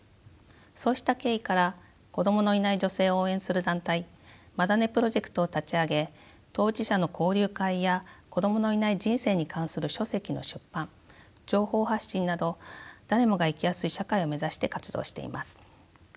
そうした経緯から子どものいない女性を応援する団体「マダネプロジェクト」を立ち上げ当事者の交流会や子どものいない人生に関する書籍の出版情報発信など誰もが生きやすい社会を目指して活動をしています。